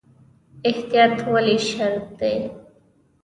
احتیاط ولې شرط دی؟